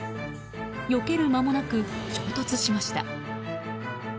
よける間もなく衝突しました。